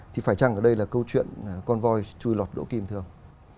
thì phải chăng ở đây là câu chuyện con voi chui lọt đỗ kim thế không